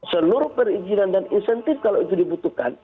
seluruh perizinan dan insentif kalau itu dibutuhkan